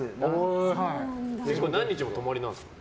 何日泊まりなんですか？